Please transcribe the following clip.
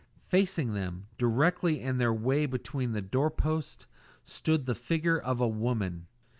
Facing them, directly in their way between the doorposts, stood the figure of a woman.